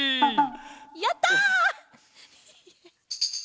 やった！